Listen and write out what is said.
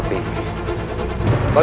dan raden kiansanta